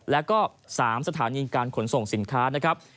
แล้วก็๓สถานีการขนส่งสินค้านะครับ